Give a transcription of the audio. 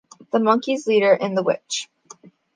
The Monkey's leader and the Witch.